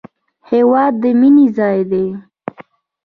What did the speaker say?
هېواد د مینې ځای دی